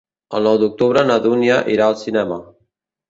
El nou d'octubre na Dúnia irà al cinema.